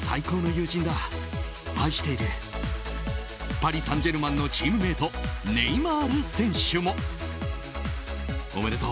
パリ・サンジェルマンのチームメートネイマール選手も。